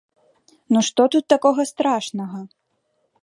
Ну што тут такога страшнага?